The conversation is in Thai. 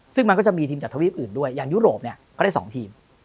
ซึ่งมันก็จะมีทีมจากทวีปอื่นด้วยอย่างยุโรปเนี่ยก็ได้๒ทีม